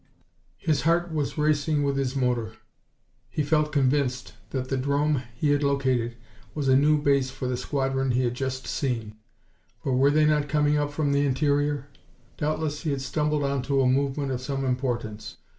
His heart was racing with his motor. He felt convinced that the 'drome he had located was a new base for the squadron he had just seen, for were they not coming up from the interior? Doubtless he had stumbled on to a movement of some importance.